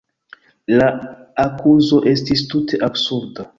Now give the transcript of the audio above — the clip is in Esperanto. La akuzo estis tute absurda.